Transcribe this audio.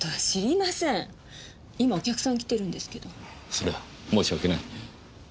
それは申し訳ない。